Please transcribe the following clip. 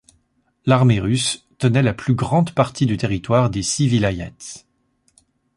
L'armée russe tenait la plus grande partie du territoire des six vilayets.